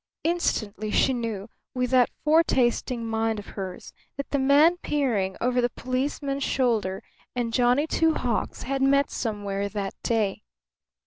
Instantly she knew, with that foretasting mind of hers, that the man peering over the policeman's shoulder and Johnny Two Hawks had met somewhere that day.